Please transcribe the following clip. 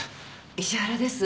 石原です。